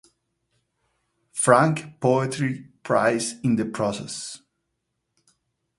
Frank Poetry Prize in the process.